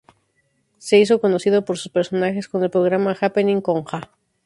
Se hizo conocido por sus personajes en el programa "Jappening con Ja".